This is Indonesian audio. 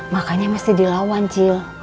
makanya mesti dilawan cil